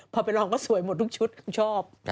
พอไปลองก็สวยหมดทุกชุดชอบ